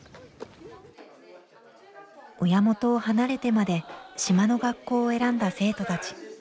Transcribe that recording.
親元を離れてまで島の学校を選んだ生徒たち。